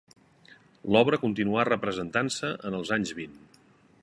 L'obra continuà representant-se en els anys vint.